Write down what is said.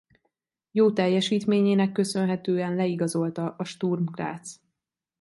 Jó teljesítményének köszönhetően leigazolta a Sturm Graz.